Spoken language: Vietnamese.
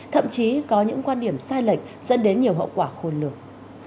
thậm chí có những quan điểm sai lệch dẫn đến nhiều hậu quả khôn lường